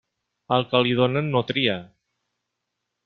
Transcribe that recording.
Al que li donen, no tria.